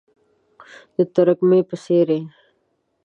د ترږمۍ په څیرې،